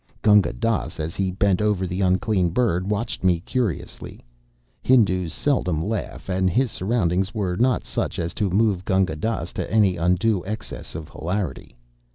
Gunga Dass, as he bent over the unclean bird, watched me curiously. Hindus seldom laugh, and his surroundings were not such as to move Gunga Dass to any undue excess of hilarity.